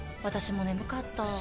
私も眠かった。